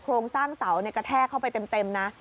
โรงสร้างเสากระแทกเข้าไปเต็มนะ